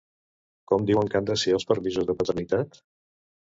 Com diuen que han de ser els permisos de paternitat?